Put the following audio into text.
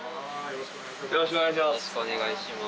よろしくお願いします。